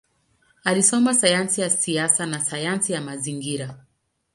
Alisoma sayansi ya siasa na sayansi ya mazingira.